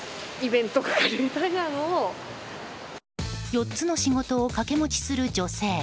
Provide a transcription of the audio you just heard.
４つの仕事を掛け持ちする女性。